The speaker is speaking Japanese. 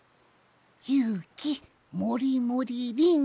「ゆうきもりもりりん」じゃ。